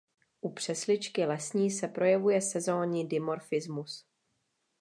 U přesličky lesní se projevuje sezónní dimorfismus.